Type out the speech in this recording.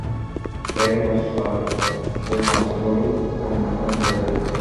বের হ স্যার, সে কনস্টেবল পন্নুস্বামীর ছেলে।